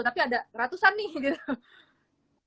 tapi ada ratusan nih gitu